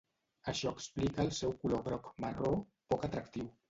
Això explica el seu color groc-marró poc atractiu.